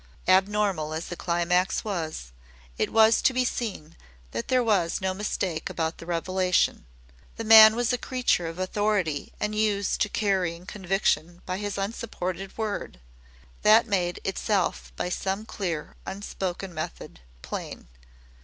Abnormal as the climax was, it was to be seen that there was no mistake about the revelation. The man was a creature of authority and used to carrying conviction by his unsupported word. That made itself, by some clear, unspoken method, plain.